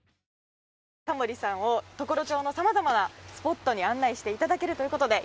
タモリさんに常呂町の様々なスポットに案内していただけるということで。